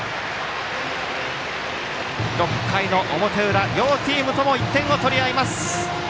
６回の表裏、両チームとも１点を取りあいます。